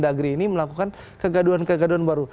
apalagi mendagri ini melakukan kegaduhan kegaduhan baru